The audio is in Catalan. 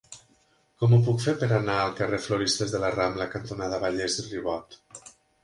Com ho puc fer per anar al carrer Floristes de la Rambla cantonada Vallès i Ribot?